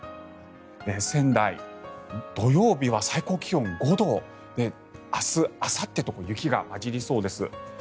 仙台、土曜日は最高気温５度明日あさってと雪が交ざりそうです。